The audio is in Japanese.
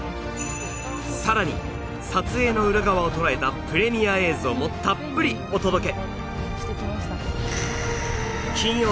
さらに撮影の裏側をとらえたプレミア映像もたっぷりお届け！